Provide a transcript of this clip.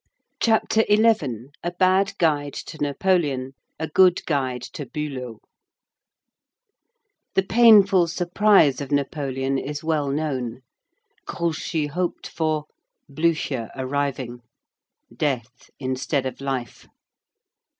CHAPTER XI—A BAD GUIDE TO NAPOLEON; A GOOD GUIDE TO BÜLOW The painful surprise of Napoleon is well known. Grouchy hoped for, Blücher arriving. Death instead of life.